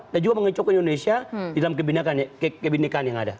dan juga mengecokkan indonesia di dalam kebindekan yang ada